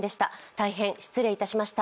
大変失礼いたしました。